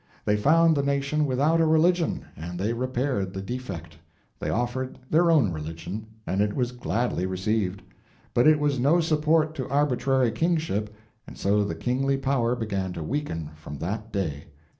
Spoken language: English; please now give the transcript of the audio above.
They found the nation without a religion, and they repaired the defect. They offered their own religion and it was gladly received. But it was no support to arbitrary kingship, and so the kingly power began to weaken from that day.